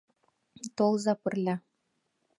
— Толза пырля!